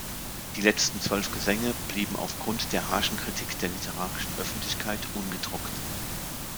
Die letzten zwölf Gesänge blieben aufgrund der harschen Kritik der literarischen Öffentlichkeit ungedruckt.